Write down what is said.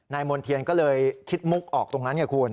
มณ์เทียนก็เลยคิดมุกออกตรงนั้นไงคุณ